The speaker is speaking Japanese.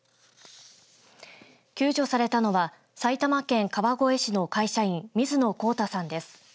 救助されたのは埼玉県川越市の会社員水野孝太さんです。